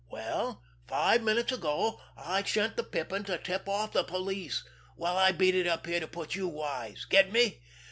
Well, five minutes ago I sent the Pippin to tip off the police, while I beat it up here to put you wise. Get me?